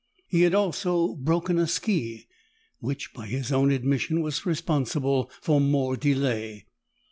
He had also broken a ski, which, by his own admission, was responsible for more delay.